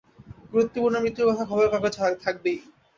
গুরুত্বপূর্ণ মৃত্যুর কথা খবরের কাগজে থাকবেই।